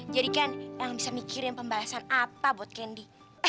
jadi kan eyang bisa mikirin pembalasan apa buat candy